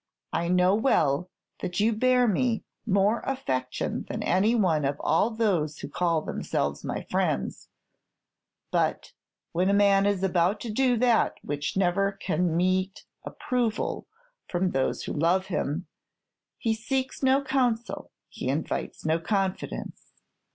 I know well that you bear me more affection than any one of all those who call themselves my friends; but when a man is about to do that which never can meet approval from those who love him, he seeks no counsel, he invites no confidence.